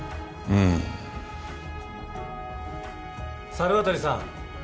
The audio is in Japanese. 猿渡さん